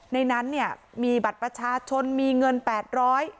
ในนั้นเนี่ยมีบัตรประชาชนมีเงินแปดร้อย